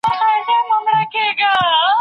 آیا ازاد کتابونه په مکتب کي شته؟